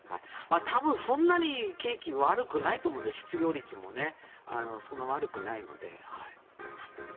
多分、そんなに景気は悪くないと思うので失業率もそんなに悪くないので。